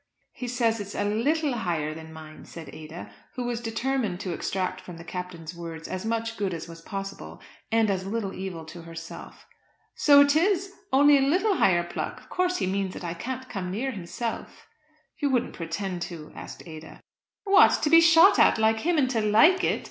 "He says it's a little higher than mine," said Ada, who was determined to extract from the Captain's words as much good as was possible, and as little evil to herself. "So it is; only a little higher pluck! Of course he means that I can't come near himself." "You wouldn't pretend to?" asked Ada. "What! to be shot at like him, and to like it.